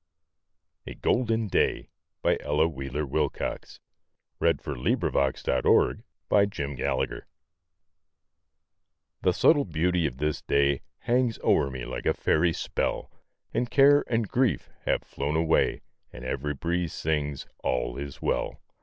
A Golden Day An Ella Wheeler Wilcox Poem A GOLDEN DAY The subtle beauty of this day Hangs o'er me like a fairy spell, And care and grief have flown away, And every breeze sings, "All is well."